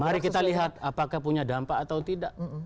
mari kita lihat apakah punya dampak atau tidak